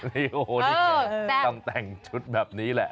นี่โอ้โหต้องแต่งชุดแบบนี้แหละ